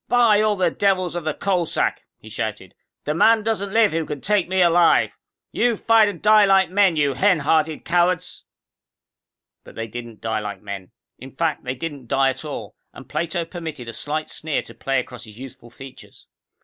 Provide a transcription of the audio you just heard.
"By all the devils of the Coal Sack," he shouted, "the man doesn't live who can take me alive! You'll fight and die like men, you hen hearted cowards...."_ But they didn't die like men. In fact, they didn't die at all, and Plato permitted a slight sneer to play across his youthful features.